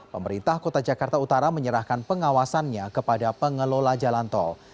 pemerintah kota jakarta utara menyerahkan pengawasannya kepada pengelola jalan tol